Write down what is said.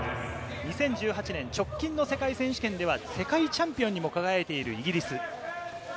２０１８年、直近の世界選手権では世界チャンピオンにも輝いているイギリス。